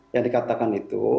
yang dikatakan itu